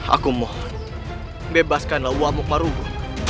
aku mau bebaskanlah uamuk marungu